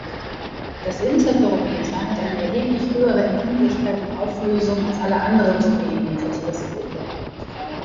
Das Interferometer hat eine erheblich höhere Empfindlichkeit und Auflösung als alle anderen Submillimeter-Teleskope.